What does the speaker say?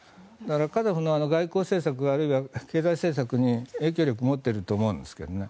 カザフの外交政策あるいは経済政策に影響力を持っていると思うんですよね。